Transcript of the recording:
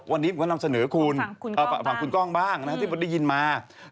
วันนี้ผมก็นำเสนอคุณฝั่งคุณกล้องบ้างนะครับที่ได้ยินมาผมฝั่งคุณกล้องบ้าง